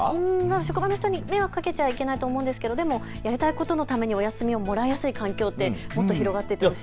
職場の人に迷惑かけちゃいけないと思うんですけどやりたいことのためにお休みをもらいやすい環境ってもっと広がっていってほしい。